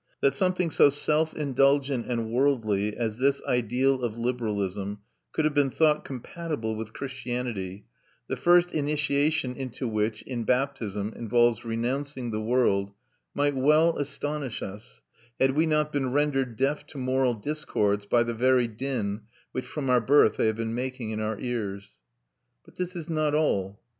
That something so self indulgent and worldly as this ideal of liberalism could have been thought compatible with Christianity, the first initiation into which, in baptism, involves renouncing the world, might well astonish us, had we not been rendered deaf to moral discords by the very din which from our birth they have been making in our ears. But this is not all.